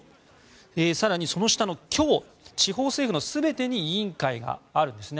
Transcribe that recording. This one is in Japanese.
更に、その下の郷地方政府の全てに委員会があるんですね。